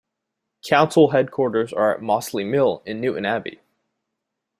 Council headquarters are at Mossley Mill in Newtownabbey.